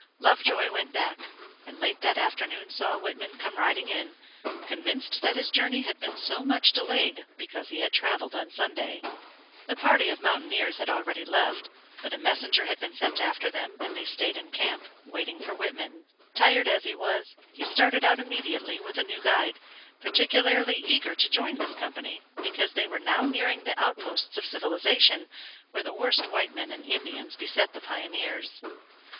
Lovejoy went back, and late that afternoon saw Whitman come riding in, convinced that his journey had been so much delayed because he had traveled on Sunday. The party of mountaineers had already left, but a messenger had been sent after them, and they stayed in camp, waiting for Whitman. Tired as he was, he started out immediately with a new guide, particularly eager to join this company, because they were now nearing the outposts of civilization, where the worst white men and Indians beset the pioneers.